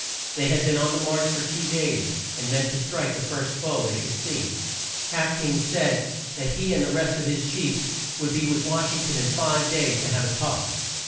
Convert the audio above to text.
They had been on the march for two days, and meant to strike the first foe they should see. Half King said that he and the rest of his chiefs would be with Wash ing ton in five days to have a talk.